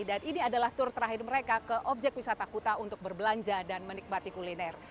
dan ini adalah tur terakhir mereka ke objek wisata kota untuk berbelanja dan menikmati kuliner